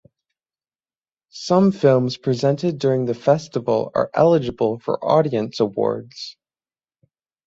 Some films presented during the Festival are eligible for Audience Awards.